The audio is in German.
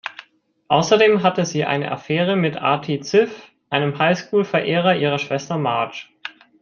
Außerdem hatte sie eine Affäre mit Artie Ziff, einem High-School-Verehrer ihrer Schwester Marge.